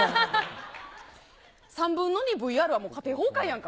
３分の２、ＶＲはもう家庭崩壊やんか。